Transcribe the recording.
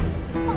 kok gak nutup